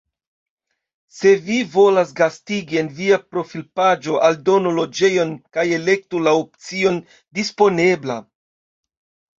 Se vi volas gastigi, en via profilpaĝo aldonu loĝejon kaj elektu la opcion Disponebla.